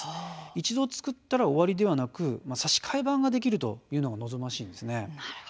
一度作ったら終わりではなく差し替え版ができるというのが望ましいんですね。